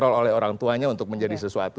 yang mencari kemampuannya untuk menjadi sesuatu